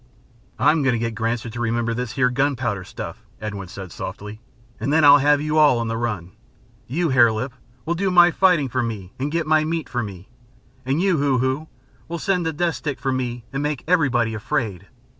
"I'm going to get Granser to remember this here gunpowder stuff," Edwin said softly, "and then I'll have you all on the run. You, Hare Lip, will do my fighting for me and get my meat for me, and you, Hoo Hoo, will send the death stick for me and make everybody afraid.